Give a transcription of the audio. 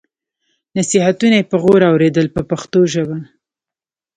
نصیحتونه یې په غور اورېدل په پښتو ژبه.